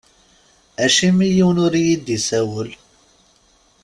Acimi yiwen ur iyi-d-isawel?